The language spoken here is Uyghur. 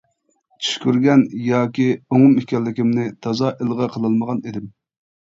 چۈش كۆرگەن ياكى ئوڭۇم ئىكەنلىكىمنى تازا ئىلغا قىلالمىغان ئىدىم.